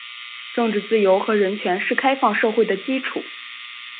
政治自由和人权是开放社会的基础。